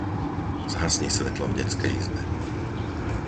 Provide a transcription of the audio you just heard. Zhasni svetlo v detskej izbe.